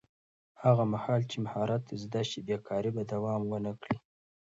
هغه مهال چې مهارت زده شي، بېکاري به دوام ونه کړي.